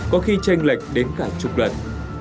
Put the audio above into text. có khi tranh lệch đến cả chục lần